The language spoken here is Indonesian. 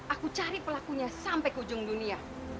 aku cari pelakunya sampai ke ujung dunia